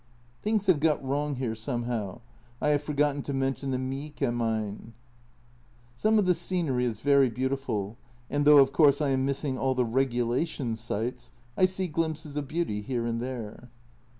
(Things have got wrong here somehow. I have forgotten to mention the Miike mine.) Some of the scenery is very beautiful, and though, of course, I am missing all the regulation sights, I see glimpses of beauty here and there.